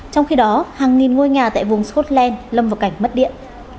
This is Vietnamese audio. trong khi đó hàng nghìn ngôi nhà tại vùng scotland lâm vào cảnh mất điện